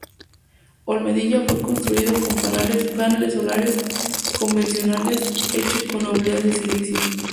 Olmedilla fue construido con paneles solares convencionales hechos con obleas de silicio.